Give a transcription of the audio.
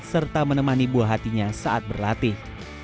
serta menemani buah hatinya saat berlatih